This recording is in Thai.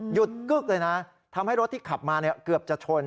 กึ๊กเลยนะทำให้รถที่ขับมาเกือบจะชน